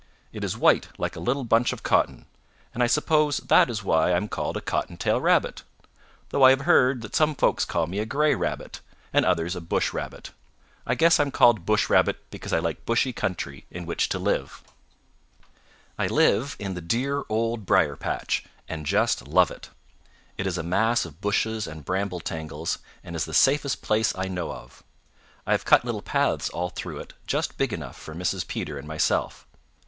It is white like a little bunch of cotton, and I suppose that that is why I am called a Cottontail Rabbit, though I have heard that some folks call me a Gray Rabbit and others a Bush Rabbit. I guess I'm called Bush Rabbit because I like bushy country in which to live." "I live in the dear Old Briar patch and just love it. It is a mass of bushes and bramble tangles and is the safest place I know of. I have cut little paths all through it just big enough for Mrs. Peter and myself.